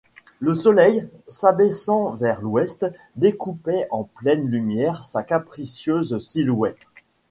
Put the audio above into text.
Le soleil, s’abaissant vers l’ouest, découpait en pleine lumière sa capricieuse silhouette.